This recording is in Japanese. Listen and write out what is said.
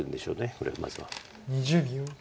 これまずは。